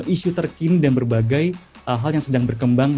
isu terkini dan berbagai hal hal yang sedang berkembang